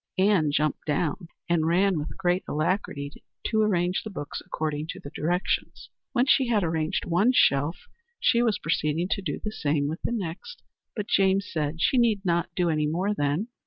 Ann jumped down, and ran with great alacrity to arrange the books according to the directions. When she had arranged one shelf, she was proceeding to do the same with the next, but James said she need not do any more then.